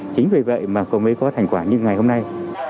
chính vì vậy mà cầu mới có thành quả như ngày hôm nay